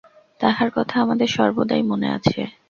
তাহার কথা আমাদের সর্বদাই মনে আছে।